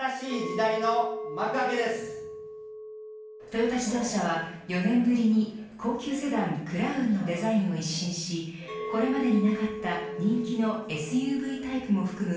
トヨタ自動車は４年ぶりに高級セダン、クラウンのデザインを一新しこれまでになかった人気のＳＵＶタイプも含む